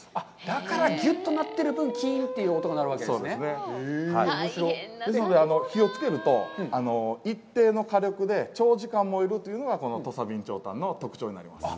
だからぎゅっとなってる分、キーンという音が鳴るわけですね。ということで、一定の火力で長時間燃えるというのがこの土佐備長炭の魅力になります。